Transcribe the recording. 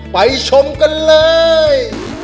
ไปชมกันเลย